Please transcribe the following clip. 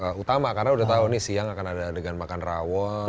pertama karena udah tau nih siang akan ada adegan makan rawon